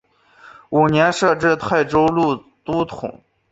五年设置泰州路都统。